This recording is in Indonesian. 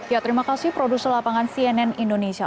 ya terima kasih produser lapangan cnn indonesia